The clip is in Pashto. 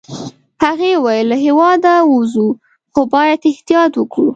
هغې وویل: له هیواده ووزو، خو باید احتیاط وکړو.